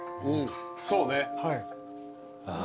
そうね。